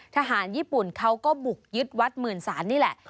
ทหารญี่ปุ่นเขาก็บุกยึดวัดหมื่นศาลนี่แหละ